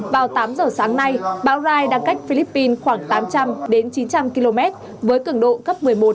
vào tám giờ sáng nay bão rai đang cách philippines khoảng tám trăm linh đến chín trăm linh km với cường độ cấp một mươi một